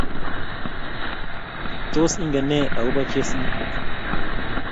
tos ingen ne akobo chesinye?